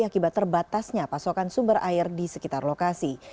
akibat terbatasnya pasokan sumber air di sekitar lokasi